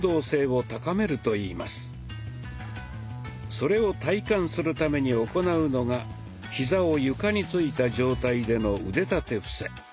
それを体感するために行うのがひざを床についた状態での腕立て伏せ。